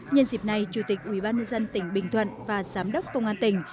nhân dịp này chủ tịch ubnd tỉnh bình thuận và giám đốc công an tỉnh